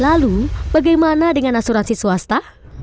lalu bagaimana dengan asuransi swasta